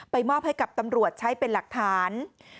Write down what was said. มอบให้กับตำรวจใช้เป็นหลักฐาน